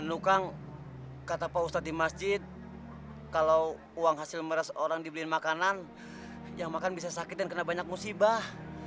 luka kata pak ustadz di masjid kalau uang hasil meras orang dibeliin makanan yang makan bisa sakit dan kena banyak musibah